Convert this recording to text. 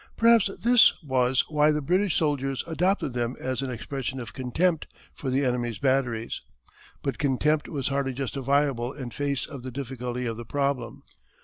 Perhaps this was why the British soldiers adopted them as an expression of contempt for the enemy's batteries. But contempt was hardly justifiable in face of the difficulty of the problem.